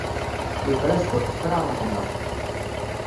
Yefra ssuq tefra ṛṛeḥba!